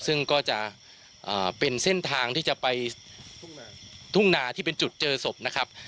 ซึ่งก็จะเป็นเส้นทางที่จะไปทุ่งนาที่เป็นจุดเจอศพนะครับ